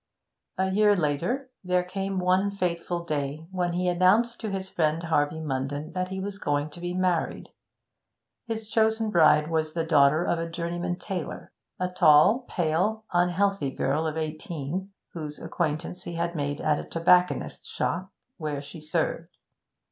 A year later there came one fateful day when he announced to his friend Harvey Munden that he was going to be married. His chosen bride was the daughter of a journeyman tailor a tall, pale, unhealthy girl of eighteen, whose acquaintance he had made at a tobacconist's shop, where she served.